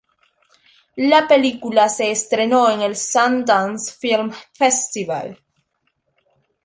La película se estrenó en el Sundance Film Festival.